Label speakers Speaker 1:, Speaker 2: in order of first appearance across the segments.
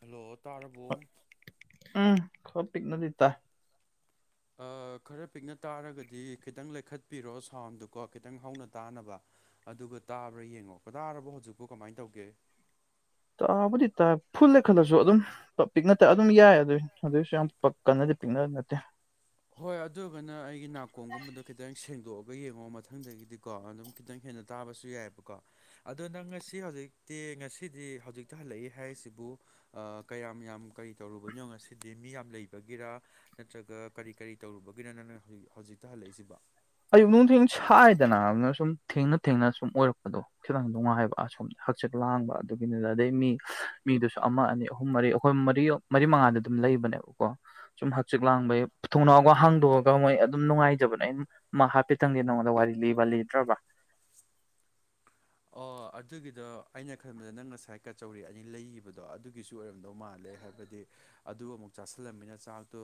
Speaker 1: Hello ꯇꯥ꯭ꯔꯕꯣ
Speaker 2: ꯎꯝ ꯈꯔ ꯄꯤꯛꯅꯗꯤ ꯇꯥꯏ
Speaker 1: ꯑ ꯈꯔ ꯄꯤꯛꯅ ꯇꯥꯔꯒꯗꯤ ꯈꯤꯇꯪ ꯂꯩꯈꯠꯄꯤꯔꯣ ꯁꯥꯎꯟꯗꯨ ꯀꯣ ꯈꯤꯇꯪ ꯍꯧꯅ ꯇꯥꯅꯕꯥ ꯑꯗꯨꯒ ꯇꯥꯕ꯭ꯔꯥ ꯌꯦꯡꯉꯣ ꯇꯥ꯭ꯔꯕꯣ ꯍꯧꯖꯤꯛꯄꯨ ꯀꯃꯥꯏ ꯇꯧꯒꯦ꯫
Speaker 2: ꯇꯥꯕꯨꯗꯤ ꯇꯥꯏ ꯐꯨꯜ ꯂꯩꯈꯠꯂꯁꯨ ꯑꯗꯨꯝ ꯄꯤꯛꯅ ꯇꯥꯏ ꯑꯗꯨꯝ ꯌꯥꯏ ꯑꯗꯨꯏ ꯑꯗꯨꯏꯁꯨ ꯌꯥꯝ ꯄ ꯀꯟꯅꯗꯤ ꯄꯤꯛꯅ ꯅꯠꯇꯦ
Speaker 1: ꯍꯣꯏ ꯑꯗꯨꯒꯅ ꯑꯩꯒꯤ ꯅꯥꯀꯣꯡꯒꯨꯝꯕꯗꯣ ꯈꯤꯇꯪ ꯁꯦꯡꯗꯣꯛꯑꯒ ꯌꯦꯡꯉꯣ ꯃꯊꯪꯗꯒꯤꯗꯤꯀꯣ ꯑꯗꯨꯝ ꯈꯤꯇꯪ ꯍꯦꯟꯅ ꯇꯥꯕꯁꯨ ꯌꯥꯏꯌꯦꯕꯀꯣ ꯑꯗꯣ ꯅꯪ ꯉꯁꯤ ꯍꯧꯖꯤꯛꯇꯤ ꯉꯁꯤꯗꯤ ꯍꯧꯖꯤꯛꯇ ꯍꯜꯂꯛꯏ ꯍꯥꯏꯁꯤꯕꯨ ꯑ ꯀꯌꯥꯝ ꯌꯥꯝ ꯀꯔꯤ ꯇꯧꯔꯨꯕꯩꯅꯣ ꯉꯁꯤꯗꯤ ꯃꯤ ꯌꯥꯝ ꯂꯩꯕꯒꯤꯔꯥ ꯅꯠꯇ꯭ꯔꯒ ꯀꯔꯤ ꯀꯔꯤ ꯇꯧꯔꯨꯕꯒꯤꯅꯣ ꯅꯪꯅ ꯍꯧ ꯍꯧꯖꯤꯛꯇ ꯍꯜꯂꯛꯏꯁꯤꯕꯣ
Speaker 2: ꯑꯌꯨꯛ ꯅꯨꯡꯊꯤꯟ ꯁꯥꯏꯗꯅꯥ ꯑꯗꯨꯅ ꯁꯨꯝ ꯊꯦꯡꯅ ꯊꯦꯡꯅ ꯁꯨꯝ ꯑꯣꯏꯔꯛꯄꯗꯣ ꯈꯤꯇꯪ ꯅꯨꯡꯉꯥꯏꯕ ꯑꯁꯣꯝ ꯍꯛꯆꯤꯛ ꯂꯥꯡꯕ ꯑꯗꯨꯒꯤꯅꯤ ꯑꯗꯩ ꯃꯤ ꯃꯤꯗꯨꯁꯨ ꯑꯃ ꯑꯅꯤ ꯑꯍꯨꯝ ꯃꯔꯤ ꯑꯩꯈꯣꯏ ꯃꯔꯤ ꯃꯔꯤ ꯃꯉꯥꯗ ꯑꯗꯨꯝ ꯂꯩꯕꯅꯦꯕꯀꯣ꯫ ꯁꯨꯝ ꯍꯛꯆꯤꯛ ꯂꯥꯡꯕꯩ ꯊꯣꯡꯅꯥꯎꯒ ꯍꯥꯡꯗꯣꯛꯑꯒ ꯃꯣꯏ ꯑꯗꯨꯝ ꯅꯨꯡꯉꯥꯏꯖꯕꯅꯦ ꯑꯩ ꯃꯥ ꯍꯥꯐꯦꯠꯇꯪꯗꯤ ꯅꯉꯣꯟꯗ ꯋꯥꯔꯤ ꯂꯤꯕ ꯂꯤꯗ꯭ꯔꯥꯕ
Speaker 1: ꯑꯣ ꯑꯗꯨꯒꯤꯗꯣ ꯑꯩꯅ ꯈꯟꯕꯗ ꯅꯪ ꯉꯁꯥꯏ ꯀꯆꯧꯔꯤ ꯑꯅꯤ ꯂꯩꯒꯤꯕꯗꯣ ꯑꯗꯨꯒꯤꯁꯨ ꯑꯣꯏꯔꯝꯗꯧ ꯃꯥꯜꯂꯦ ꯍꯥꯏ ꯕꯗꯤ ꯑꯗꯨ ꯑꯃꯨꯛ ꯆꯥꯁꯤꯜꯂꯝꯅꯤꯅ ꯆꯥꯛꯇꯣ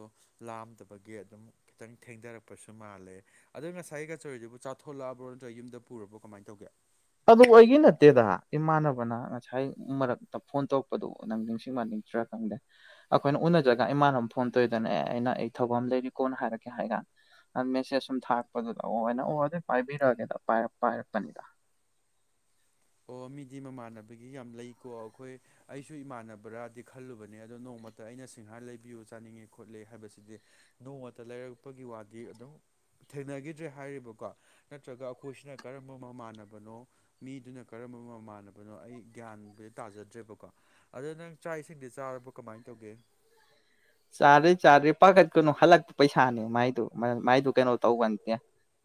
Speaker 1: ꯂꯥꯝꯗꯕꯒꯤ ꯑꯗꯨꯝ ꯈꯤꯇꯪ ꯊꯦꯡꯗꯔꯛꯄꯁꯨ ꯃꯥꯜꯂꯦ꯫ ꯑꯗꯣ ꯉꯁꯥꯏ ꯀꯆꯧꯔꯤꯗꯨꯕꯨ ꯆꯥꯊꯣꯂꯛꯑꯕꯣ ꯅꯠꯇ꯭ꯔ ꯌꯨꯝꯗ ꯄꯨꯨꯔꯕꯣ ꯀꯃꯥꯏ ꯇꯧꯒꯦ꯫
Speaker 2: ꯑꯗꯨ ꯑꯩꯒꯤ ꯅꯠꯇꯦꯗꯥ ꯏꯃꯥꯟꯅꯕꯅ ꯉꯁꯥꯏ ꯃꯔꯛꯇ ꯐꯣꯟ ꯇꯧꯔꯛꯄꯗꯣ ꯅꯪ ꯅꯤꯡꯁꯤꯡꯃꯥꯟ ꯅꯤꯡꯗ꯭ꯔꯥ ꯈꯪꯗꯦ꯫ ꯑꯩꯈꯣꯏꯅ ꯎꯅꯖꯒ ꯏꯃꯥꯅꯃꯨꯛ ꯐꯣꯟ ꯇꯧꯋꯤꯗꯅ ꯑꯦ ꯑꯩꯅ ꯑꯩ ꯊꯕꯛ ꯑꯃ ꯂꯩꯔꯤ ꯀꯣꯟꯅ ꯍꯥꯏꯔꯛꯀꯦ ꯍꯥꯏꯒ ꯑ ꯃꯦꯁꯦꯖ ꯁꯨꯝ ꯊꯥꯔꯛꯄꯗꯨꯗ ꯑꯣꯅ ꯑꯣ ꯑꯗꯨ ꯄꯥꯏꯕꯤꯔꯛꯑꯒꯦꯗ ꯄꯥꯏꯔ ꯄꯥꯏꯔꯛꯄꯅꯤꯗ
Speaker 1: ꯑꯣ ꯃꯤꯗꯤ ꯃꯃꯥꯟꯅꯕꯒꯤ ꯌꯥꯝ ꯂꯩꯀꯣ ꯑꯩꯈꯣꯏ ꯑꯩꯁꯨ ꯏꯃꯥꯟꯅꯕ꯭ꯔꯥꯗꯤ ꯈꯜꯂꯨꯕꯅꯦ ꯑꯗꯣ ꯅꯣꯡꯃꯇ ꯑꯩꯅ ꯁꯤꯡꯍꯥꯔ ꯂꯩꯕꯤꯌꯨ ꯆꯥꯅꯤꯡꯉꯦ ꯈꯣꯠꯂꯤ ꯍꯥꯏꯕꯁꯤꯗꯤ ꯅꯣꯡꯃꯇ ꯂꯩꯔꯛꯄꯒꯤ ꯋꯥꯗꯤ ꯑꯗꯨꯝ ꯊꯦꯡꯅꯈꯤꯗ꯭ꯔꯦ ꯍꯥꯏꯔꯤꯕꯀꯣ ꯅꯠꯇ꯭ꯔꯒ ꯑꯩꯈꯣꯏꯁꯤꯅ ꯀꯔꯝꯕ ꯃꯃꯥꯟꯅꯕꯅꯣ ꯃꯤꯗꯨꯅ ꯀꯔꯝꯕ ꯃꯃꯥꯟꯅꯕꯅꯣ ꯑꯩ ꯒ꯭ꯌꯥꯟꯠ ꯇꯥꯖꯗ꯭ꯔꯦꯕꯀꯣ ꯑꯗ ꯅꯪ ꯆꯥꯛ ꯏꯁꯤꯡꯗꯤ ꯆꯥꯔꯕꯣ ꯀꯃꯥꯏꯅ ꯇꯧꯒꯦ
Speaker 2: ꯆꯥꯗ꯭ꯔꯤ ꯆꯥꯗ꯭ꯔꯤ ꯄꯥꯈꯠꯀꯅꯨ ꯍꯜꯂꯛꯄ ꯄꯩꯁꯥꯅꯦ ꯃꯥꯏꯗꯨ ꯃꯥꯏꯗꯨ ꯀꯩꯅꯣ ꯇꯧꯕꯅꯦ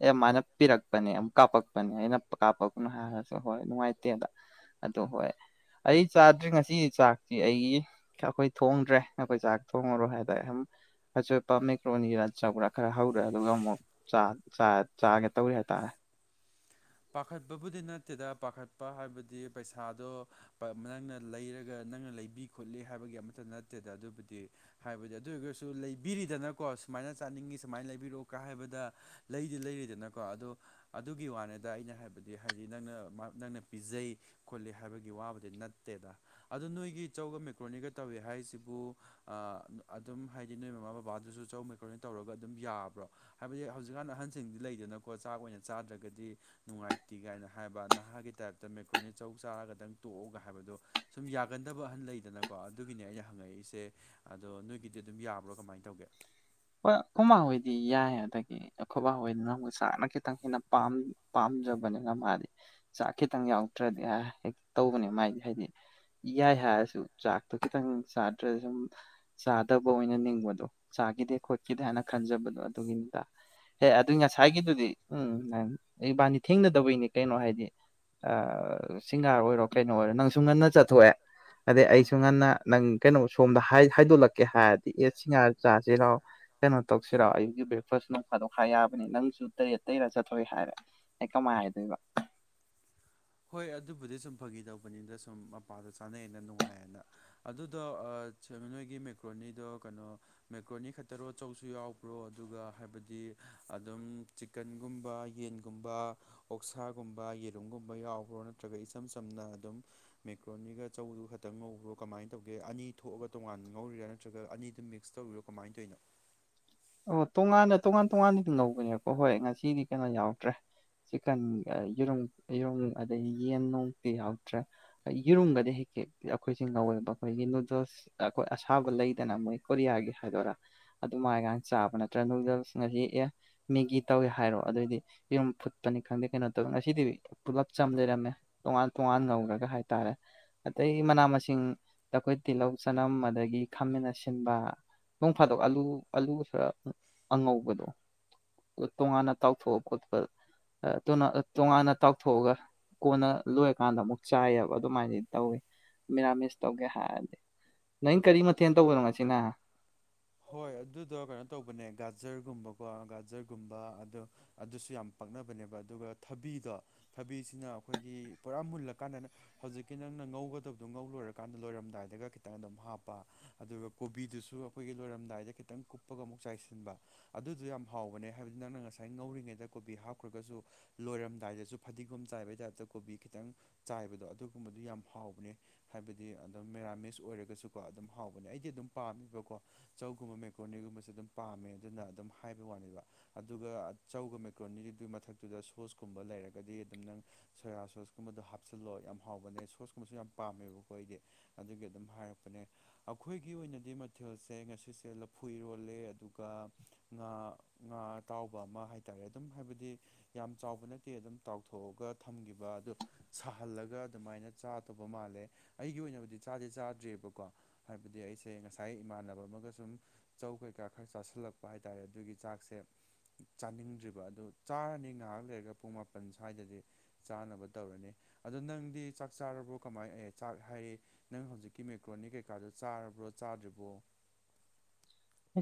Speaker 2: ꯑꯦ ꯃꯥꯅ ꯄꯤꯔꯛꯄꯅꯦ ꯑꯃꯨꯛ ꯀꯥꯞꯄꯛꯄꯅꯦ ꯑꯩꯅ ꯀꯥꯞꯄꯛꯅꯣ ꯍꯥꯏꯔꯁꯨ ꯍꯣꯏ ꯅꯨꯡꯉꯥꯏꯇꯦꯗ ꯑꯗꯨ ꯍꯣꯏ ꯑꯩ ꯆꯥꯗ꯭ꯔꯤ ꯉꯁꯤ ꯆꯥꯛꯇꯤ ꯑꯩꯒꯤ ꯑꯩꯈꯣꯏ ꯊꯣꯡꯗ꯭ꯔꯦ ꯑꯩꯈꯣꯏ ꯆꯥꯛ ꯊꯣꯡꯉꯔꯣꯏ ꯍꯥꯏꯗ ꯍꯨꯝ ꯑꯆꯣꯏꯑꯄꯥ ꯃꯦꯀ꯭ꯔꯣꯅꯤꯔꯥ ꯆꯧꯔꯥ ꯈꯔ ꯍꯧꯔꯦ ꯑꯗꯨꯒ ꯑꯃꯨꯛ ꯆꯥ ꯆꯥ ꯆꯥꯒꯦ ꯇꯧꯔꯤ ꯍꯥꯏꯇꯥꯔꯦ
Speaker 1: ꯄꯥꯈꯠꯄꯕꯨꯗꯤ ꯅꯠꯇꯦꯗ ꯄꯥꯈꯠꯄ ꯍꯥꯏꯕꯗꯤ ꯄꯩꯁꯥꯗꯣ ꯅꯪꯅ ꯂꯩꯔꯒ ꯅꯪꯅ ꯂꯩꯕꯤ ꯈꯣꯠꯂꯤ ꯍꯥꯏꯕꯒꯤ ꯑꯃꯠꯇ ꯅꯠꯇꯦꯗ ꯑꯗꯨꯕꯨꯗꯤ ꯍꯥꯏꯕꯗꯤ ꯑꯗꯨ ꯑꯣꯏꯔꯒꯁꯨ ꯂꯩꯕꯤꯔꯤꯗꯅꯀꯣ ꯁꯨꯃꯥꯏꯅ ꯆꯥꯅꯤꯡꯉꯤ ꯁꯨꯃꯥꯏꯅ ꯂꯩꯕꯤꯔꯛꯎ ꯀ ꯍꯥꯏꯕꯗ ꯂꯩꯗꯤ ꯂꯩꯔꯤꯗꯅꯀꯣ ꯑꯗꯣ ꯑꯗꯨꯒꯤ ꯋꯥꯅꯦ ꯑꯩꯅ ꯍꯥꯏꯕꯗꯤ ꯍꯥꯏꯗꯤ ꯅꯪꯅ ꯃꯥ ꯅꯪꯅ ꯄꯤꯖꯩ ꯈꯣꯠꯂꯤ ꯍꯥꯏꯕꯒꯤ ꯋꯥꯕꯨꯗꯤ ꯅꯠꯇꯦꯗ ꯑꯗꯨ ꯅꯣꯏꯒꯤ ꯆꯧꯒ ꯃꯦꯀ꯭ꯔꯣꯅꯤꯒ ꯇꯧꯏ ꯍꯥꯏꯁꯤꯕꯨ ꯑꯥ ꯑꯗꯨꯝ ꯍꯥꯏꯗꯤ ꯅꯣꯏ ꯃꯃꯥ ꯕꯕꯥꯗꯨꯁꯨ ꯆꯧ ꯃꯦꯀ꯭ꯔꯣꯅꯤ ꯇꯧꯔꯒ ꯑꯗꯨꯝ ꯌꯥꯕ꯭ꯔꯣ ꯍꯥꯏꯕꯗꯤ ꯍꯧꯖꯤꯛꯀꯥꯟ ꯑꯍꯟꯁꯤꯡꯗꯤ ꯂꯩꯗꯅꯀꯣ ꯆꯥꯛ ꯑꯣꯏꯅ ꯆꯥꯗ꯭ꯔꯒꯗꯤ ꯅꯨꯡꯉꯥꯏꯇꯦ ꯀꯥꯏꯅ ꯍꯥꯏꯕ ꯅꯍꯥꯒꯤ ꯇꯥꯏꯞꯇ ꯃꯦꯀ꯭ꯔꯣꯅꯤ ꯆꯧ ꯆꯥꯔꯒꯗꯪ ꯇꯣꯛꯎꯒ ꯍꯥꯏꯕꯗꯣ ꯁꯨꯝ ꯌꯥꯒꯟꯗꯕ ꯑꯍꯟ ꯂꯩꯗꯅꯀꯣ ꯑꯗꯨꯒꯤꯅꯦ ꯑꯩꯅ ꯍꯪꯉꯛꯏꯁꯦ ꯑꯗꯣ ꯅꯣꯏꯒꯤꯗꯤ ꯑꯗꯨꯝ ꯌꯥꯕ꯭ꯔꯣ ꯀꯃꯥꯏ ꯇꯧꯒꯦ
Speaker 2: ꯍꯣꯏ ꯑꯩꯈꯣꯏꯃꯥꯍꯣꯏꯗꯤ ꯌꯥꯏ ꯑꯗꯒꯤ ꯑꯩꯈꯣꯏꯕꯥ ꯍꯣꯏꯅꯃꯨꯛ ꯆꯥꯛꯅ ꯈꯤꯇꯪ ꯍꯦꯟꯅ ꯄꯥꯝ ꯄꯥꯝꯖꯕꯅꯤꯅ ꯃꯥꯗꯤ ꯆꯥꯛ ꯈꯤꯇꯪ ꯌꯥꯎꯇ꯭ꯔꯗꯤ ꯑꯥꯏ ꯍꯦꯛ ꯇꯧꯕꯅꯦ ꯃꯥꯥꯏꯗꯤ ꯍꯥꯏꯗꯤ ꯌꯥꯏ ꯍꯥꯏꯔꯁꯨ ꯆꯥꯛꯇꯣ ꯈꯤꯇꯪ ꯆꯥꯗ꯭ꯔ ꯁꯨꯝ ꯆꯥꯗꯕ ꯑꯣꯏꯅ ꯅꯤꯡꯕꯗꯣ ꯆꯥꯈꯤꯗꯦ ꯈꯣꯠꯈꯤꯗꯦ ꯍꯥꯏꯅ ꯈꯟꯖꯕꯗꯣ ꯑꯗꯨꯒꯤꯅꯤꯗ ꯍꯦ ꯑꯗꯨꯏ ꯉꯁꯥꯏꯒꯤꯗꯨꯗꯤ ꯎꯝ ꯏꯕꯥꯅꯤ ꯊꯦꯡꯅꯗꯕꯩꯅꯤ ꯀꯩꯅꯣ ꯍꯥꯏꯗꯤ ꯑꯥ ꯁꯤꯡꯍꯥꯔ ꯑꯣꯏꯔꯣ ꯀꯩꯅꯣ ꯑꯣꯏꯔꯣ ꯅꯪꯁꯨ ꯉꯟꯅ ꯆꯠꯊꯣꯛꯑꯦ ꯑꯗꯩ ꯑꯩꯁꯨ ꯉꯟꯅ ꯅꯪ ꯀꯩꯅꯣ ꯁꯣꯝꯗ ꯍꯥꯏ ꯍꯥꯏꯗꯣꯛꯂꯛꯀꯦ ꯍꯥꯏꯔꯗꯤ ꯑꯦ ꯁꯤꯡꯍꯥꯔ ꯆꯥꯁꯤꯔꯣ ꯀꯩꯅꯣ ꯇꯧꯁꯤꯔꯣ ꯑꯌꯨꯛꯀꯤ ꯕ꯭ꯔꯦꯛꯐꯥꯁ ꯅꯣꯡꯐꯥꯗꯣꯛ ꯍꯥꯏ ꯌꯥꯕꯅꯦ ꯅꯪꯁꯨ ꯇꯔꯦꯠ ꯇꯩꯔꯥ ꯆꯠꯊꯣꯛꯏ ꯍꯥꯏꯔꯦ ꯑꯩ ꯀꯃꯥꯏ ꯍꯥꯏꯗꯣꯏꯕ
Speaker 1: ꯍꯣꯏ ꯑꯗꯨꯕꯨꯗꯤ ꯁꯨꯝ ꯐꯥꯈꯤ ꯇꯧꯕꯅꯤꯗ ꯁꯨꯝ ꯃꯄꯥꯗꯨ ꯆꯥꯅꯩꯑꯦꯅ ꯅꯨꯡꯉꯥꯏꯑꯦꯅ ꯑꯗꯨꯗꯣ ꯑ ꯅꯣꯏꯒꯤ ꯃꯦꯀ꯭ꯔꯣꯅꯤꯗꯣ ꯀꯩꯅꯣ ꯃꯦꯀ꯭ꯔꯣꯅꯤ ꯈꯛꯇꯔꯣ ꯆꯧꯁꯨ ꯌꯥꯎꯕ꯭ꯔꯣ ꯑꯗꯨꯒ ꯍꯥꯏꯕꯗꯤ ꯑꯗꯨꯝ ꯆꯤꯀꯟꯒꯨꯝꯕ ꯌꯦꯟꯒꯨꯝꯕ ꯑꯣꯛꯁꯥꯒꯨꯝꯕ ꯌꯦꯔꯨꯝꯒꯨꯝ ꯌꯥꯎꯕ꯭ꯔꯣ ꯅꯠꯇ꯭ꯔꯒ ꯏꯆꯝ ꯆꯝꯅ ꯑꯗꯨꯝ ꯃꯦꯀ꯭ꯔꯣꯅꯤꯒ ꯆꯧꯗꯨꯒ ꯈꯛꯇꯪ ꯉꯧꯕ꯭ꯔꯣ ꯀꯃꯥꯏꯅ ꯇꯧꯒꯦ ꯑꯅꯤ ꯊꯣꯛꯑꯒ ꯇꯣꯉꯥꯟ ꯉꯧꯔꯤꯔꯥ ꯅꯠꯇ꯭ꯔꯒ ꯑꯅꯤꯗꯨ ꯃꯤꯛꯁ ꯇꯧꯔꯤꯔꯣ ꯀꯃꯥꯏꯅ ꯇꯧꯏꯅꯣ
Speaker 2: ꯑꯣ ꯇꯣꯉꯥꯟꯅ ꯇꯣꯉꯥꯟ ꯇꯣꯉꯥꯟꯅꯗꯤ ꯉꯧꯕꯅꯦꯀꯣ ꯍꯣꯏ ꯉꯁꯤꯗꯤ ꯀꯩꯅꯣ ꯌꯥꯎꯗ꯭ꯔꯦ ꯆꯤꯛꯀꯟ ꯑ ꯌꯦꯔꯨꯝ ꯌꯦꯔꯨꯝ ꯑꯗꯒꯤ ꯌꯦꯟ ꯅꯣꯡꯗꯤ ꯌꯥꯎꯇ꯭ꯔꯦ ꯌꯦꯔꯨꯝꯒꯗꯤ ꯍꯦꯛ ꯍ ꯑꯩꯈꯣꯏꯁꯦ ꯉꯥꯎꯋꯦꯕ ꯑꯩꯈꯣꯏꯒꯤ ꯅꯨꯗꯜꯁ ꯑꯩꯈꯣꯏ ꯑꯁꯥꯕ ꯂꯩꯗꯅ ꯃꯣꯏ ꯀꯣꯔꯤꯌꯥꯒꯤ ꯍꯥꯏꯗꯣꯏꯔꯥ ꯑꯗꯨꯃꯥꯏꯒ ꯆꯥꯕ ꯅꯠꯇ꯭ꯔ ꯅꯨꯡꯗꯜꯁ ꯉꯁꯤ ꯑꯦ ꯃꯦꯒꯤ ꯇꯧꯋꯦ ꯍꯥꯏꯔꯣ ꯑꯗꯨꯑꯣꯏꯗꯤ ꯌꯦꯔꯨꯝ ꯐꯨꯠꯄꯅꯤ ꯈꯪꯗꯦ ꯀꯩꯅꯣ ꯇꯧꯋꯤ ꯉꯁꯤꯗꯤ ꯄꯨꯂꯞ ꯆꯝ ꯂꯩꯔꯝꯃꯦ ꯇꯣꯉꯥꯟ ꯇꯣꯉꯥꯟ ꯉꯧꯔꯒ ꯍꯥꯏꯇꯥꯔꯦ ꯑꯇꯩ ꯃꯅꯥ ꯃꯁꯤꯡ ꯑꯗꯩ ꯑꯈꯣꯏ ꯇꯤꯜꯍꯧ ꯆꯅꯝ ꯑꯗꯒꯤ ꯈꯥꯃꯦꯟ ꯑꯁꯤꯟꯕ ꯅꯣꯡ ꯐꯥꯗꯣꯛ ꯑꯂꯨ ꯑꯂꯨ ꯈꯔ ꯑꯉꯧꯕꯗꯣ ꯇꯣꯉꯥꯟꯅ ꯇꯥꯎꯊꯣꯛꯑꯣ ꯈꯣꯠꯄ ꯑ ꯇꯣꯅꯥ ꯇꯣꯉꯥꯟꯅ ꯇꯥꯎꯊꯣꯛꯑꯒ ꯀꯣꯟꯅ ꯂꯣꯏꯔꯀꯥꯟꯗ ꯑꯃꯨꯛ ꯆꯥꯏꯑꯦꯕ ꯑꯗꯨꯃꯥꯏꯅꯗꯤ ꯇꯧꯋꯤ ꯃꯤꯔꯥꯃꯤꯁ ꯇꯧꯒꯦ ꯍꯥꯏꯔꯗꯤ ꯅꯪ ꯀꯔꯤ ꯃꯊꯦꯜ ꯇꯧꯕꯅꯣ ꯉꯁꯤꯅ
Speaker 1: ꯍꯣꯏ ꯑꯗꯨꯗꯣ ꯀꯩꯅꯣ ꯇꯧꯕꯅꯦ ꯒꯥꯖꯔꯒꯨꯝꯕꯀꯣ ꯒꯥꯖꯔꯒꯨꯝꯕ ꯑꯗꯣ ꯑꯗꯨꯁꯨ ꯌꯥꯝ ꯄꯛꯅꯕꯅꯦꯕ ꯑꯗꯨꯒ ꯊꯥꯕꯤꯗꯣ ꯊꯕꯤꯁꯤꯅ ꯑꯩꯈꯣꯏꯒꯤ ꯄꯨꯔꯥ ꯃꯨꯜꯂꯀꯥꯟꯗꯅ ꯍꯧꯖꯤꯛꯀꯤ ꯅꯪꯅ ꯉꯧꯒꯗꯕꯗꯣ ꯉꯧ ꯂꯣꯏꯔꯀꯥꯟꯗ ꯂꯣꯏꯔꯝꯗꯥꯏꯗꯒ ꯈꯤꯇꯪ ꯑꯗꯨꯝ ꯍꯥꯞꯄ ꯑꯗꯨꯒ ꯀꯣꯕꯤꯗꯨꯁꯨ ꯑꯩꯈꯣꯏꯒꯤ ꯂꯣꯏꯔꯝꯗꯥꯏꯗ ꯈꯤꯇꯪ ꯀꯨꯞꯄꯒ ꯑꯃꯨꯛ ꯆꯥꯏꯁꯤꯟꯕ ꯑꯗꯨꯗꯨ ꯌꯥꯝ ꯍꯥꯎꯕꯅꯦ ꯍꯥꯏꯕꯗꯤ ꯅꯪꯅ ꯉꯁꯥꯏ ꯉꯧꯔꯤꯉꯩꯗ ꯀꯣꯕꯤ ꯍꯥꯞꯈ꯭ꯔꯒꯁꯨ ꯂꯣꯏꯔꯝꯗꯥꯏꯗꯁꯨ ꯐꯗꯤꯒꯣꯝ ꯆꯥꯏꯕꯒꯤ ꯇꯥꯏꯞꯇ ꯀꯣꯕꯤ ꯈꯤꯇꯪ ꯆꯥꯏꯕꯗꯣ ꯑꯗꯨꯒꯨꯝꯕꯗꯨ ꯌꯥꯝ ꯍꯥꯎꯕꯅꯦ ꯍꯥꯏꯕꯗꯤ ꯑꯗꯨꯝ ꯃꯦꯔꯥꯃꯤꯁ ꯑꯣꯏꯔꯒꯁꯨꯀꯣ ꯑꯗꯨꯝ ꯍꯥꯎꯕꯅꯦ ꯑꯩꯗꯤ ꯑꯗꯨꯝ ꯄꯥꯝꯃꯦꯕꯀꯣ ꯆꯧꯒꯨꯝꯕ ꯃꯦꯀꯣꯅꯤꯒꯨꯝꯕꯁꯦ ꯑꯗꯨꯝ ꯄꯥꯝꯃꯦ ꯑꯗꯨꯅ ꯑꯗꯨꯝ ꯍꯥꯏꯕ ꯋꯥꯅꯦꯕ ꯑꯗꯨꯒ ꯑꯆꯧꯕ ꯃꯦꯀ꯭ꯔꯣꯅꯤꯗꯨꯒꯤ ꯃꯊꯛꯇꯨꯗ ꯁꯣꯁꯀꯨꯝꯕ ꯂꯩꯔꯒꯗꯤ ꯑꯗꯨꯝ ꯅꯪ ꯁꯣꯌꯥ ꯁꯣꯁꯀꯨꯝꯕꯗꯣ ꯍꯥꯞꯆꯤꯜꯂꯣ ꯌꯥꯝ ꯍꯥꯎꯕꯅꯦ ꯁꯣꯁꯀꯨꯝꯕꯁꯨ ꯌꯥꯝ ꯄꯥꯝꯃꯦꯕꯀꯣ ꯑꯩꯗꯤ ꯑꯗꯨꯒꯤ ꯑꯗꯨꯝ ꯍꯥꯏꯔꯛꯄꯅꯦ ꯑꯩꯈꯣꯏꯒꯤ ꯑꯣꯏꯅꯗꯤ ꯃꯊꯦꯜ ꯁꯦ ꯉꯁꯤꯁꯦ ꯂꯐꯨ ꯢꯔꯣꯜꯂꯦ ꯑꯗꯨꯒ ꯉꯥ ꯉꯥ ꯑꯇꯥꯎꯕ ꯑꯃ ꯍꯥꯏꯇꯥꯔꯦ ꯑꯗꯨꯝ ꯍꯥꯏꯕꯗꯤ ꯌꯥꯝ ꯆꯥꯎꯕ ꯅꯠꯇꯦ ꯑꯗꯨꯝ ꯇꯥꯎꯊꯣꯛꯑꯒ ꯊꯝꯈꯤꯕ ꯑꯗꯨ ꯁꯥꯍꯜꯂꯒ ꯑꯗꯨꯃꯥꯏꯅ ꯆꯥꯗꯧꯕ ꯃꯥꯜꯂꯦ ꯑꯩꯒꯤ ꯑꯣꯏꯅꯕꯨꯗꯤ ꯆꯥꯗꯤ ꯆꯥꯗ꯭ꯔꯦꯕꯀꯣ ꯍꯥꯏꯕꯗꯤ ꯑꯩꯁꯦ ꯉꯁꯥꯏ ꯏꯃꯥꯟꯅꯕ ꯑꯃꯒ ꯁꯨꯝ ꯆꯧ ꯀꯩꯀꯥ ꯈꯔ ꯆꯥꯁꯤꯜꯂꯛꯄ ꯍꯥꯏꯇꯥꯔꯦ ꯑꯗꯨꯒꯤ ꯆꯥꯛꯁꯦ ꯆꯥꯅꯤꯡꯗ꯭ꯔꯤꯕ ꯑꯗꯨ ꯆꯥꯔꯅꯤ ꯉꯥꯏꯍꯥꯛ ꯂꯩꯔꯒ ꯄꯨꯡ ꯃꯥꯄꯟ ꯁ꯭ꯋꯥꯏꯗꯗꯤ ꯆꯥꯅꯕ ꯇꯧꯔꯅꯤ ꯑꯗꯣ ꯅꯪꯗꯤ ꯆꯥꯛ ꯆꯥꯔꯕ꯭ꯔꯣ ꯀꯃꯥꯏꯅ ꯑꯦ ꯆꯥꯛ ꯍꯥꯏꯔꯦ ꯅꯪ ꯍꯧꯖꯤꯛꯀꯤ ꯃꯦꯀ꯭ꯔꯣꯅꯤ ꯀꯩꯀꯥꯗꯨ ꯆꯥꯔꯕ꯭ꯔꯣ ꯆꯥꯗ꯭ꯔꯤꯕ꯭ꯔꯣ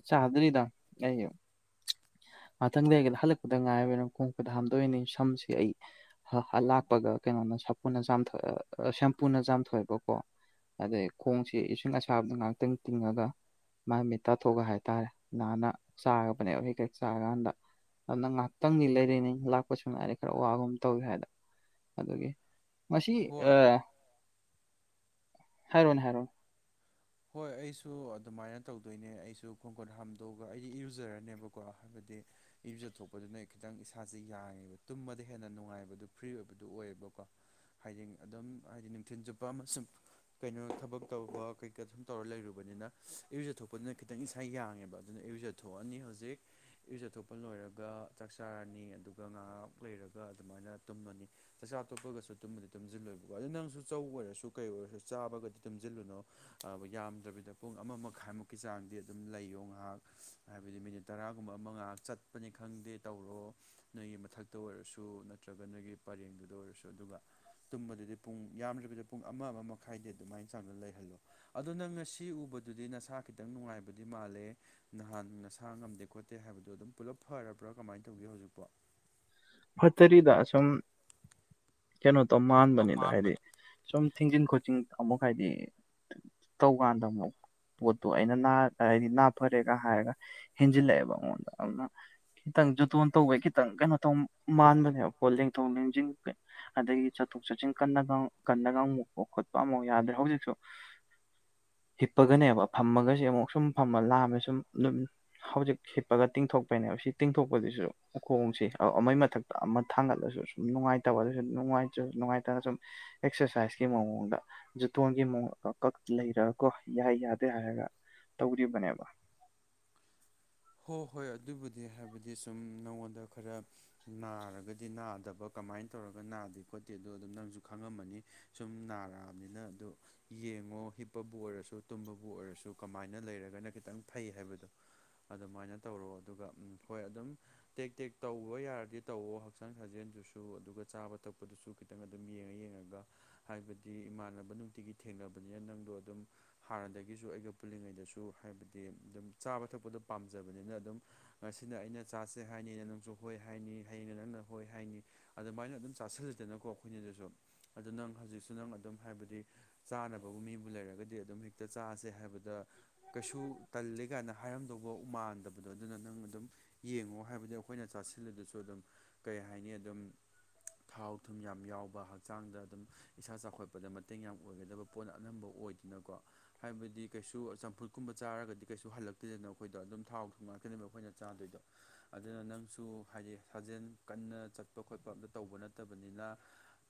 Speaker 2: ꯆꯥꯗ꯭ꯔꯤꯗ ꯑꯩ ꯉꯥꯛꯇꯪ ꯂꯩꯒꯦꯅ ꯍꯜꯂꯛꯄꯗ ꯉꯥꯏꯔꯤ ꯈꯣꯡ ꯈꯨꯠ ꯍꯥꯝꯗꯣꯛꯢꯅꯦ ꯁꯝꯁꯦ ꯑꯩ ꯂꯥꯛꯄꯒ ꯀꯩꯅꯣꯅ ꯁꯥꯄꯨꯅ ꯆꯥꯝꯊꯣꯛꯑꯦ ꯁꯦꯝꯄꯄꯨꯅ ꯆꯥꯝꯊꯣꯛꯑꯦꯕꯀꯣ ꯑꯗꯩ ꯈꯣꯡꯁꯤ ꯏꯁꯤꯡ ꯑꯁꯥꯕꯗ ꯉꯥꯏꯍꯥꯛꯇꯪ ꯇꯤꯡꯉꯒ ꯃꯥꯢ ꯃꯤꯠ ꯇꯥꯊꯣꯛꯑꯒ ꯍꯥꯏꯇꯥꯔꯦ ꯅꯥꯟꯅ ꯆꯥꯕꯅꯦꯕ ꯀꯩ ꯆꯥꯔꯀꯥꯟꯗ ꯑꯗꯨꯅ ꯉꯥꯏꯍꯥꯛꯇꯪꯗꯤ ꯂꯩꯈꯤꯅꯤ ꯂꯥꯛꯄ ꯁꯨꯃꯥꯢꯅ ꯈꯔ ꯋꯥꯒꯨꯝ ꯇꯧꯏ ꯍꯥꯏꯅ ꯑꯗꯨꯒꯤ ꯃꯁꯤ
Speaker 1: ꯍꯣꯏ
Speaker 2: ꯍꯥꯏꯔꯣꯅꯦ ꯍꯥꯏꯔꯣ
Speaker 1: ꯍꯣꯏ ꯑꯩꯁꯨ ꯑꯗꯨꯃꯥꯏꯅ ꯇꯧꯗꯣꯏꯅꯦ ꯑꯩꯁꯨ ꯈꯣꯡ ꯈꯨꯠ ꯍꯥꯝꯗꯣꯛꯑꯒ ꯑꯩꯗꯤ ꯏꯔꯨꯖꯔꯅꯦꯕꯀꯣ ꯍꯥꯏꯕꯗꯤ ꯏꯔꯨꯖꯊꯣꯛꯄꯗꯨꯅ ꯈꯤꯇꯪ ꯏꯁꯥꯁꯦ ꯌꯥꯡꯉꯦꯕ ꯇꯨꯝꯕꯗ ꯍꯦꯟꯅ ꯅꯨꯡꯉꯥꯏꯕꯗꯨ ꯐ꯭ꯔꯤ ꯑꯣꯏꯕꯗꯨ ꯑꯣꯏꯌꯦꯕꯀꯣ ꯍꯥꯏꯗꯤ ꯑꯗꯨꯝ ꯍꯥꯏꯗꯤ ꯅꯨꯡꯊꯤꯜ ꯆꯨꯞꯄ ꯁꯨꯝ ꯀꯩꯅꯣ ꯊꯕꯛ ꯇꯧꯕ ꯁꯨꯝ ꯇꯧꯔ ꯂꯩꯔꯨꯕꯅꯤꯅ ꯏꯌꯨꯖꯊꯣꯛꯄꯗꯨꯅ ꯈꯤꯇꯪ ꯏꯁꯥ ꯌꯥꯡꯉꯦꯕ ꯑꯗꯨꯅ ꯏꯌꯨꯖꯊꯣꯛꯑꯅꯤ ꯍꯧꯖꯤꯛ ꯢꯔꯨꯖꯊꯣꯛꯄ ꯂꯣꯏꯔꯒ ꯆꯥꯛ ꯆꯥꯔꯅꯤ ꯑꯗꯨꯒ ꯉꯥꯢꯍꯥꯛ ꯂꯩꯔꯒ ꯑꯗꯨꯃꯥꯏꯅ ꯇꯨꯝꯃꯅꯤ ꯆꯥꯛꯆꯥ ꯇꯣꯞꯄꯒꯁꯨ ꯇꯨꯝꯕꯗꯤ ꯇꯨꯝꯁꯤꯜꯂꯣꯏꯕꯀꯣ ꯑꯗꯨꯗ ꯅꯪꯁꯨ ꯆꯧ ꯑꯣꯏꯔꯁꯨ ꯀꯩ ꯑꯣꯏꯔꯁꯨ ꯆꯥꯕꯒꯗꯤ ꯇꯨꯝꯁꯤꯜꯂꯨꯅꯣ ꯌꯥꯝꯗ꯭ꯔꯕꯤꯗ ꯄꯨꯡ ꯑꯃ ꯃꯈꯥꯏꯃꯨꯛꯀꯤ ꯆꯥꯡꯗꯤ ꯑꯗꯨꯝ ꯂꯩꯌꯣ ꯉꯥꯏꯍꯥꯛ ꯍꯥꯏꯕꯗꯤ ꯃꯤꯅꯤꯠ ꯇꯔꯥꯒꯨꯝꯕ ꯑꯃ ꯉꯥꯏꯍꯥꯛ ꯆꯠꯄꯅꯤ ꯈꯪꯗꯦ ꯇꯧꯔꯣ ꯅꯣꯢꯒꯤ ꯃꯊꯥꯛꯇꯨꯗ ꯑꯣꯏꯔꯁꯨ ꯅꯠꯇ꯭ꯔꯒ ꯅꯣꯏꯒꯤ ꯄꯔꯦꯡꯗꯨꯗ ꯑꯣꯏꯔꯁꯨ ꯑꯗꯨꯒ ꯇꯨꯝꯕꯗꯗꯤ ꯄꯨꯡ ꯌꯥꯝꯗꯕꯤꯗ ꯄꯨꯡ ꯑꯃ ꯑꯃ ꯃꯈꯥꯏꯗꯤ ꯑꯗꯨꯃꯥꯏꯅ ꯆꯥꯎꯅ ꯂꯩꯍꯜꯂꯣ ꯑꯗꯨꯅꯪ ꯉꯁꯤ ꯎꯕꯗꯨꯗꯤ ꯅꯁꯥ ꯈꯤꯇꯪ ꯅꯨꯡꯉꯥꯏꯕꯗꯤ ꯃꯥꯜꯂꯦ ꯅꯍꯥꯟ ꯅꯁꯥ ꯉꯝꯗꯦ ꯈꯣꯠꯇꯦ ꯍꯥꯏꯕꯗꯣ ꯑꯗꯨꯝ ꯄꯨꯂꯞ ꯐꯔꯕ꯭ꯔꯥ ꯀꯃꯥꯏꯅ ꯇꯧꯒꯦ ꯍꯧꯖꯤꯛꯄꯣ
Speaker 2: ꯐꯠꯇꯔꯤꯗ ꯁꯨꯝ ꯀꯩꯅꯣ ꯇꯧ ꯃꯥꯟꯕꯅꯤꯗ
Speaker 1: ꯇꯝꯍꯥꯟꯕꯅꯦ
Speaker 2: ꯍꯥꯏꯗꯤ ꯁꯨꯝ ꯊꯤꯡꯖꯤꯟ ꯈꯣꯠꯆꯤꯟ ꯑꯃꯨꯛ ꯍꯥꯏꯗꯤ ꯇꯧꯀꯥꯟꯗ ꯑꯃꯨꯛ ꯄꯣꯠꯇꯨ ꯑꯩꯅ ꯅꯥ ꯍꯥꯏꯗꯤ ꯅꯥ ꯐꯔꯦꯒ ꯍꯥꯏꯔꯒ ꯍꯦꯟꯖꯤꯜꯂꯛꯑꯦꯕ ꯑꯩꯉꯣꯟꯗ ꯑꯗꯨꯅ ꯈꯤꯇꯪ ꯖꯨꯇꯣꯟ ꯇꯧꯕꯩ ꯈꯤꯇꯪ ꯀꯩꯅꯣ ꯇꯧ ꯃꯥꯟꯕꯅꯦꯕꯀꯣ ꯂꯦꯡꯊꯣꯛ ꯂꯦꯡꯖꯤꯟ ꯑꯗꯒꯤ ꯆꯠꯊꯣꯛ ꯆꯠꯁꯤꯟ ꯀꯟꯅꯒ ꯀꯟꯅꯒ ꯃꯨꯛꯄ ꯈꯣꯠꯄ ꯑꯃꯐꯥꯎ ꯌꯥꯗ꯭ꯔꯦ ꯍꯧꯖꯤꯛꯁꯨ ꯍꯤꯞꯄꯒꯅꯦꯕ ꯐꯝꯃꯒꯁꯦ ꯑꯃꯨꯛ ꯁꯨꯝ ꯐꯝꯃ ꯂꯥꯛꯑꯝꯃꯦ ꯁꯨꯝ ꯍꯧꯖꯤꯛ ꯍꯠꯄꯒ ꯇꯤꯡꯊꯣꯛꯄꯩꯅꯦꯕ ꯁꯤ ꯇꯤꯡꯊꯣꯛꯄꯗꯨꯁꯨ ꯎꯈꯣꯡꯁꯤ ꯑꯃꯩ ꯃꯠ ꯊꯛꯇ ꯑꯃ ꯊꯥꯡꯒꯠꯂꯁꯨ ꯁꯨꯝ ꯅꯨꯡꯉꯥꯏꯇꯕ ꯑꯗꯨꯁꯨ ꯅꯨꯡꯉꯥꯏꯇ꯭ꯔꯁꯨ ꯅꯨꯡꯉꯥꯏꯇꯅ ꯁꯨꯝ ꯑꯦꯛꯁꯔꯁꯥꯏꯁꯀꯤ ꯃꯥꯑꫭꯡꯗ ꯖꯇꯣꯟꯒꯤ ꯃꯑꯣꯡ ꯀ ꯂꯩꯔꯒ ꯀꯣ ꯌꯥꯏ ꯌꯥꯗꯦ ꯍꯥꯏꯔꯒ ꯇꯧꯔꯤꯕꯅꯦꯕ
Speaker 1: ꯍꯣꯏ ꯍꯣꯏ ꯑꯗꯨꯕꯨꯗꯤ ꯍꯥꯏꯕꯗꯤ ꯁꯨꯝ ꯅꯪꯉꯣꯟꯗ ꯈꯔ ꯅꯥꯔꯒꯗꯤ ꯅꯥꯗꯕ ꯀꯃꯥꯏꯅ ꯇꯧꯔꯒ ꯅꯥꯗꯦ ꯈꯣꯠꯇꯦ ꯑꯗꯣ ꯑꯗꯨꯝ ꯅꯪꯁꯨ ꯈꯪꯉꯝꯃꯅꯤ ꯁꯨꯝ ꯅꯥꯔꯛꯑꯕꯅꯤꯅ ꯑꯗꯣ ꯌꯦꯡꯉꯣ ꯍꯤꯞꯄꯕꯨ ꯑꯣꯏꯔꯁꯨ ꯇꯨꯝꯕꯕꯨ ꯑꯣꯏꯔꯁꯨ ꯀꯃꯥꯏꯅ ꯂꯩꯔꯒꯅ ꯈꯤꯇꯪ ꯐꯩ ꯍꯥꯏꯕꯗꯣ ꯑꯗꯨꯃꯥꯏꯅ ꯇꯧꯔꯣ ꯑꯗꯨꯒ ꯍꯣꯏ ꯑꯗꯨꯝ ꯇꯦꯛ ꯇꯦꯛ ꯇꯧꯕ ꯌꯥꯔꯗꯤ ꯇꯧꯋꯣ ꯍꯛꯆꯥꯡ ꯁꯥꯖꯦꯜꯗꯨꯁꯨ ꯑꯗꯨꯒ ꯆꯥꯕ ꯊꯛꯄꯗꯨꯁꯨ ꯈꯤꯇꯪ ꯑꯗꯨꯝ ꯌꯦꯡꯉ ꯌꯦꯡꯉꯒ ꯍꯥꯏꯕꯗꯤ ꯏꯃꯥꯟꯅꯕ ꯅꯨꯡꯇꯤꯒꯤ ꯊꯦꯡꯅꯕꯅꯤꯅ ꯅꯪꯗꯣ ꯑꯗꯨꯝ ꯍꯥꯟꯅꯗꯒꯤꯁꯨ ꯑꯩꯒ ꯄꯨꯜꯂꯤꯉꯩꯗꯁꯨ ꯍꯥꯏꯕꯗꯤ ꯑꯗꯨꯝ ꯆꯥꯕ ꯊꯛꯄꯗꯣ ꯄꯥꯝꯖꯕꯅꯤꯅ ꯑꯗꯨꯝ ꯉꯁꯤꯅ ꯑꯩꯅ ꯆꯥꯥꯁꯦ ꯍꯥꯏꯅꯤꯅ ꯅꯪꯁꯨ ꯍꯣꯏ ꯍꯥꯏꯅꯤ ꯍꯌꯦꯡꯩꯅ ꯅꯪꯅ ꯍꯣꯏ ꯍꯥꯏꯅꯤ ꯑꯗꯨꯃꯥꯏꯅ ꯑꯗꯨꯝ ꯆꯥꯁꯤꯜꯂꯗꯅꯀꯣ ꯑꯩꯈꯣꯏꯅꯤꯗꯁꯨ ꯑꯗꯨ ꯅꯪ ꯍꯧꯖꯤꯛꯁꯨ ꯅꯪ ꯑꯗꯨꯝ ꯍꯥꯏꯕꯗꯤ ꯆꯥꯅꯕꯕꯨ ꯃꯤꯕꯨ ꯂꯩꯔꯒꯗꯤ ꯑꯗꯨꯝ ꯍꯦꯛꯇ ꯆꯥꯁꯦ ꯍꯥꯏꯕꯗꯤ ꯗ ꯀꯩꯁꯨ ꯇꯜꯂꯤ ꯀꯥꯏꯅ ꯍꯥꯏꯔꯝ ꯕꯥꯎ ꯃꯥꯟꯗꯕꯗꯣ ꯑꯗꯨꯅ ꯅꯪ ꯑꯗꯨꯝ ꯌꯦꯡꯉꯣ ꯍꯥꯏꯕꯗꯤ ꯑꯩꯈꯣꯏꯅ ꯆꯥꯁꯤꯜꯂꯗꯨꯁꯨ ꯑꯗꯨꯝ ꯀꯩ ꯍꯥꯏꯅꯤ ꯑꯗꯨꯝ ꯊꯥꯎ ꯊꯨꯝ ꯌꯥꯝ ꯌꯥꯎꯕ ꯍꯛꯆꯥꯡꯗ ꯑꯗꯨꯝ ꯏꯁꯥ ꯆꯥꯎꯈꯠꯄꯗ ꯃꯇꯦꯡ ꯌꯥꯝ ꯑꯣꯏꯒꯗꯕ ꯄꯣꯠꯅ ꯑꯅꯝꯕ ꯑꯣꯏꯗꯅꯀꯣ ꯍꯥꯏꯕꯗꯤ ꯀꯩꯁꯨ ꯆꯝꯐꯨꯠ ꯀꯨꯝꯕ ꯆꯥꯔꯒꯗꯤ ꯀꯩꯁꯨ ꯍꯜꯂꯛꯇꯣꯏꯗꯅ ꯑꯩꯈꯣꯏꯗꯣ ꯑꯗꯨꯝ ꯊꯥꯎ ꯊꯨꯝ ꯉꯥꯛꯀꯅꯦꯕ ꯑꯩꯈꯣꯏꯅ ꯆꯥꯗꯣꯏꯗꯣ ꯑꯗꯨꯅ ꯅꯪꯁꯨ ꯍꯥꯏꯗꯤ ꯁꯥꯖꯦꯜ ꯀꯟꯅ ꯆꯠꯄ ꯈꯣꯠꯄ ꯑꯝꯇ ꯇꯧꯕ ꯅꯠꯇꯕꯅꯤꯅ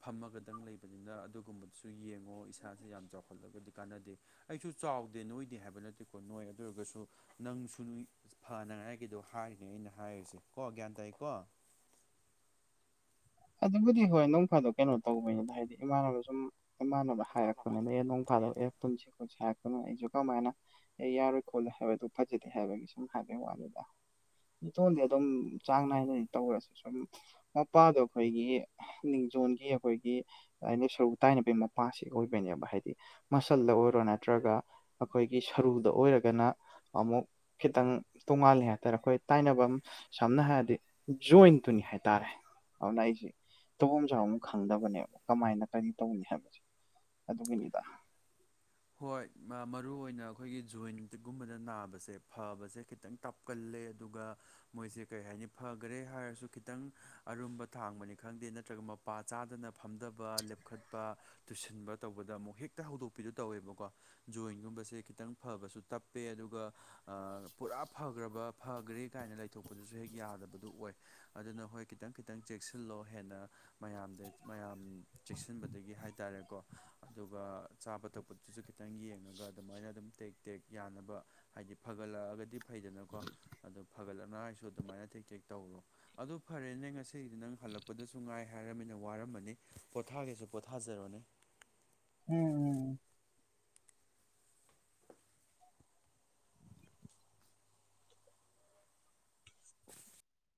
Speaker 1: ꯐꯝꯃꯒꯗꯪ ꯂꯩꯕꯅꯤꯅ ꯑꯗꯨꯒꯨꯝꯕꯗꯨꯁꯨ ꯌꯦꯡꯉꯣ ꯏꯁꯥꯁꯦ ꯌꯥꯝ ꯆꯥꯎꯈꯠꯂꯒꯗꯤ ꯀꯥꯟꯅꯗꯦ ꯑꯩꯁꯨ ꯆꯥꯎꯗꯦ ꯅꯣꯏꯗꯦ ꯍꯥꯏꯕ ꯅꯠꯇꯦꯀꯣ ꯅꯣꯏ ꯑꯗꯨ ꯑꯣꯏꯔꯒꯁꯨ ꯅꯪꯁꯨ ꯅꯨꯏ ꯐꯅꯉꯥꯏꯒꯤꯗꯣ ꯍꯥꯏꯔꯤꯅꯦ ꯑꯩꯅ ꯍꯥꯏꯔꯤꯁꯦ ꯀꯣ ꯒ꯭ꯌꯥꯟ ꯇꯥꯏꯀꯣ
Speaker 2: ꯑꯗꯨꯕꯨꯗꯤ ꯍꯣꯏ ꯅꯣꯡ ꯐꯥꯗꯣꯛ ꯀꯩꯅꯣ ꯇꯧꯕꯅꯤꯅ ꯍꯥꯏꯗꯤ ꯏꯃꯥꯟꯅꯕ ꯁꯨꯝ ꯏꯃꯥꯟꯅꯕ
Speaker 1: ꯃꯥꯅꯕ
Speaker 2: ꯍꯥꯏꯔꯛꯄꯅꯤꯅ ꯑꯦ ꯅꯣꯡ ꯐꯥꯗꯣꯛ ꯑꯦ ꯄꯨꯟꯁꯤ ꯈꯣꯠꯁꯤ ꯍꯥꯏꯔꯛꯄꯅꯣ ꯑꯩꯁꯨ ꯀꯃꯥꯏꯅ ꯑꯦ ꯌꯥꯔꯣꯏ ꯈꯣꯠꯂꫭꯏ ꯍꯥꯏꯕꯗꯨ ꯐꯖꯗꯦ ꯍꯥꯏꯕꯒꯤ ꯁꯨꯝ ꯍꯥꯏꯕꯩ ꯋꯥꯅꯦꯗ ꯏꯇꯣꯟꯗꯤ ꯑꯗꯨꯝ ꯆꯥꯡ ꯅꯥꯏꯅ ꯇꯧꯔꯁꯨ ꯁꯨꯝ ꯃꯄꯥꯗꯣ ꯑꯩꯈꯣꯏꯒꯤ ꯅꯤꯡꯖꯣꯟꯒꯤ ꯑꯩꯈꯣꯏꯒꯤ [unintelligible] ꯁꯔꯨꯛ ꯇꯥꯏꯅꯕꯒꯤ ꯃꯄꯥꯁꯤ ꯑꯣꯏꯕꯅꯦꯕ ꯍꯥꯏꯗꯤ ꯃꯁꯜꯗ ꯑꯣꯏꯔꯣ ꯅꯠꯇ꯭ꯔꯒ ꯑꯩꯈꯣꯏꯒꯤ ꯁꯔꯨꯗ ꯑꯣꯏꯔꯒꯅ ꯑꯃꯨꯛ ꯈꯤꯇꯪ ꯇꯣꯡꯉꯥꯂꯦ ꯍꯥꯏꯇꯥꯔꯦ ꯑꯩꯈꯣꯏ ꯇꯥꯏꯅꯕꯝ ꯁꯝꯅ ꯍꯥꯏꯔꯗꯤ ꯖꯣꯏꯟꯇꯨꯅꯤ ꯍꯥꯏꯇꯥꯔꯦ ꯑꯗꯨꯅ ꯑꯩꯁꯦ ꯇꯐꯝꯝ ꯆꯥꯐꯝ ꯈꯪꯗꯕꯅꯦꯕ ꯀꯃꯥꯏꯅ ꯀꯔꯤ ꯇꯧꯅꯤ ꯍꯥꯏꯕꯁꯦ ꯑꯗꯨꯒꯤꯅꯤꯗ
Speaker 1: ꯍꯣꯏ ꯃꯔꯨ ꯑꯣꯏꯅ ꯑꯩꯈꯣꯏꯒꯤ ꯖꯣꯏꯟꯒꯨꯝꯕꯗ ꯅꯥꯕꯁꯦ ꯐꯕꯁꯦ ꯈꯤꯇꯪ ꯇꯞ ꯀꯜꯂꯦ ꯑꯗꯨꯒ ꯃꯣꯏꯁꯦ ꯀꯔꯤ ꯍꯥꯏꯅꯤ ꯐꯒ꯭ꯔꯦ ꯍꯥꯏꯔꯁꯨ ꯈꯤꯇꯪ ꯑꯔꯨꯝꯕ ꯊꯥꯡꯕꯅꯤ ꯈꯪꯗꯦ ꯅꯠꯇ꯭ꯔꯥꯒ ꯃꯞ ꯄꯥ ꯆꯥꯗꯅ ꯐꯝꯗꯕ ꯂꯦꯞꯈꯠꯄ ꯇꯨꯁꯤꯟꯕ ꯇꯧꯕꯗ ꯑꯃꯨꯛ ꯍꯦꯛꯇꯥ ꯍꯧꯗꯣꯛꯄꯤꯗꯣ ꯇꯧꯋꯦꯕꯀꯣ ꯖꯣꯏꯟꯒꯨꯝꯕꯁꯦ ꯈꯤꯇꯪ ꯐꯕꯁꯨ ꯇꯞꯄꯦ ꯑꯗꯨꯒ ꯑꯥ ꯄꯨꯔꯥ ꯐꯒ꯭ꯔꯥꯕ ꯐꯥꯒ꯭ꯔꯦ ꯀꯥꯏꯅ ꯂꯩꯊꯣꯛꯄꯗꯨꯁꯨ ꯍꯦꯛ ꯌꯥꯗꯕꯗꯨ ꯑꯣꯏ ꯑꯗꯨꯅ ꯍꯣꯏ ꯈꯤꯇꯪ ꯈꯤꯇꯪ ꯆꯦꯛꯁꯤꯜꯂꯣ ꯍꯦꯟꯅ ꯃꯌꯥꯝꯗ ꯃꯌꯥꯝ ꯆꯦꯛꯁꯤꯟꯕꯗꯒꯤ ꯍꯥꯏ ꯇꯔꯦꯀꯣ ꯑꯗꯨꯒ ꯆꯥꯕ ꯊꯛ ꯐꯨꯠꯇꯨꯖꯨ ꯈꯤꯇꯪ ꯌꯦꯡꯉꯒ ꯑꯗꯨꯃꯥꯏꯅ ꯑꯗꯨꯝ ꯇꯦꯛ ꯇꯦꯛ ꯌꯥꯅꯕ ꯍꯥꯏꯗꯤ ꯐꯒꯠꯂꯛꯑꯒꯗꯤ ꯐꯩꯗꯅꯀꯣ ꯑꯗꯨ ꯐꯒꯠꯂꯛꯅꯨ ꯍꯥꯏꯁꯨ ꯑꯗꯨꯃꯥꯏꯅ ꯇꯦꯛ ꯇꯦꯛ ꯇꯧꯔꯣ ꯑꯗꯨ ꯐꯔꯦꯅꯦ ꯉꯁꯤꯒꯤꯗꯤ ꯅꯪ ꯍꯜꯂꯛꯄꯗꯁꯨ ꯉꯥꯏ ꯍꯥꯏꯔꯃꯤꯅ ꯋꯥꯔꯝꯃꯅꯤ ꯄꯣꯊꯥꯒꯦꯁꯨ ꯄꯣꯊꯥꯖꯔꯣꯅꯦ
Speaker 2: ꯎꯝ ꯎꯝ